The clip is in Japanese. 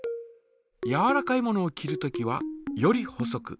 やわらかいものを切るときはより細く。